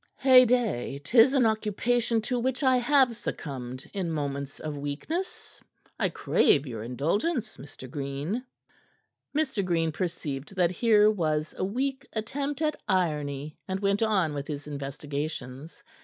"Heyday! 'Tis an occupation to which I have succumbed in moments of weakness. I crave your indulgence, Mr. Green." Mr. Green perceived that here was a weak attempt at irony, and went on with his investigations.